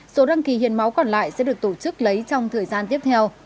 số đăng ký hiến máu còn lại sẽ được tổ chức lấy trong thời gian tiếp theo